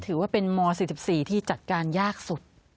ถือว่าเป็นม๔๔ที่จัดการยากสุด